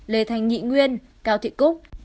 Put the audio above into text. lê thanh nghị nguyên cao thị cúc